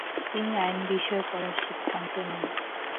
তিনি আইন বিষয়ে পড়ার সিদ্ধান্ত নেন।